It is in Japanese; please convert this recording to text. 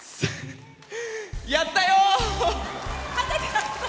やったよ！